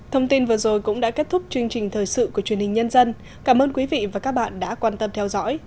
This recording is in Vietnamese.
thông tin vừa rồi cũng đã kết thúc chương trình thời sự của truyền hình nhân dân cảm ơn quý vị và các bạn đã quan tâm theo dõi